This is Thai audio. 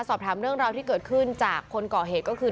สอบถามเรื่องราวที่เกิดขึ้นจากคนก่อเหตุก็คือ